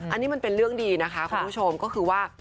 อันนี้มันเป็นเรื่องดีนะคะคุณผู้ชมก็คือว่า